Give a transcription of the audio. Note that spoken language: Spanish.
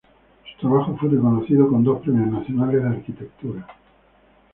Su trabajo fue reconocido con dos premios nacionales de arquitectura.